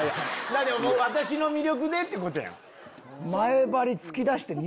「私の魅力で」ってことやん。